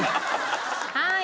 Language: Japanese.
はい！